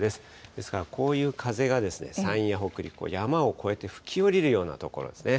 ですから、こういう風が山陰や北陸を山を越えて吹き降りるような所ですね。